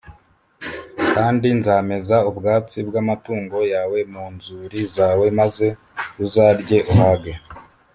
kandi nzameza ubwatsi bw’amatungo yawe mu nzuri zawe, maze uzarye uhage.